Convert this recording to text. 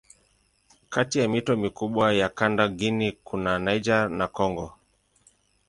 Kati ya mito mikubwa ya kanda Guinea kuna Niger na Kongo.